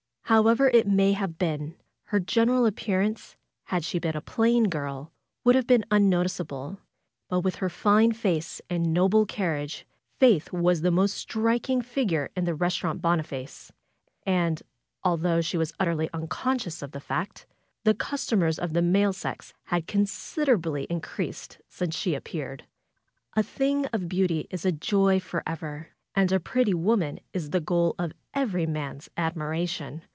However it may have been, her general appearance, had she been a plain girl, would have been unnoticeable, but with her fine face and noble carriage Faith was the most striking figure in the Resturant Boniface. And, although she was utterly unconscious of the fact, the customers of the male sex had consid erably increased since she had appeared. A thing of beauty is a joy forever, and a pretty woman is the goal of every man's admiration.